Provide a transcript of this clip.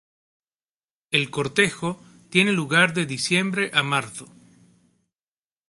El cortejo tiene lugar de diciembre a marzo.